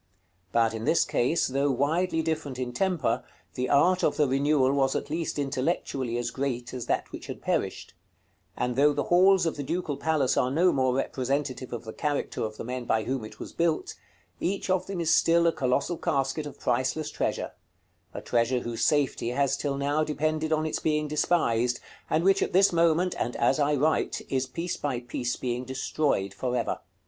But in this case, though widely different in temper, the art of the renewal was at least intellectually as great as that which had perished: and though the halls of the Ducal Palace are no more representative of the character of the men by whom it was built, each of them is still a colossal casket of priceless treasure; a treasure whose safety has till now depended on its being despised, and which at this moment, and as I write, is piece by piece being destroyed for ever.